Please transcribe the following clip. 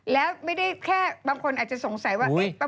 แล้วไม่ได้แค่บางคนอาจจะสงสัยว่า